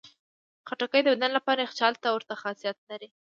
خټکی د بدن لپاره یخچال ته ورته خاصیت لري.